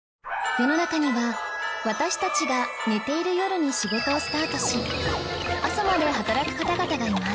世の中には私たちが寝ている夜に仕事をスタートし朝まで働く方々がいます